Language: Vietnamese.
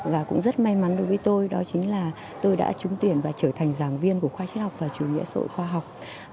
và cũng rất may mắn đối với tôi đó chính là tôi đã trúng tuyển và trở thành giảng viên của khoa triết học và chủ nghĩa sội khoa học